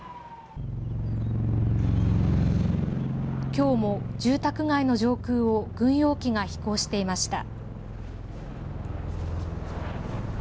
きょうも住宅街の上空を軍用機が飛行していました。